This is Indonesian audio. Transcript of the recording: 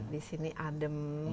di sini adem